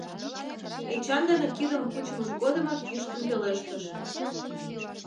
Эчан дене кидым кучымыж годымак йӱштын пелештыш: